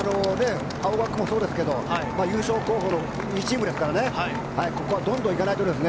青学もそうですが優勝候補の２チームですからここはどんどん行かないと。